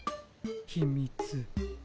ひみつ。